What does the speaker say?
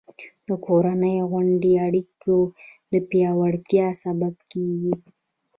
د کورنۍ غونډې د اړیکو د پیاوړتیا سبب کېږي.